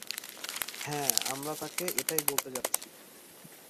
হ্যাঁ, আমরা তাকে এটাই বলতে যাচ্ছি!